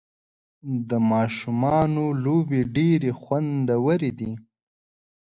د ماشومانو لوبې ډېرې خوندورې دي.